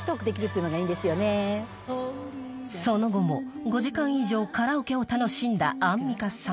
［その後も５時間以上カラオケを楽しんだアンミカさん］